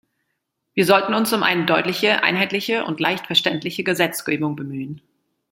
Wir sollten uns um eine deutliche, einheitliche und leicht verständliche Gesetzgebung bemühen.